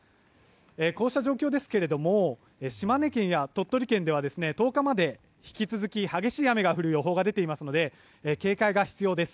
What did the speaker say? こうした状況ですが島根県や鳥取県では１０日まで引き続き激しい雨が降る予報が出ていますので警戒が必要です。